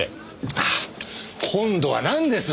ああ今度はなんです？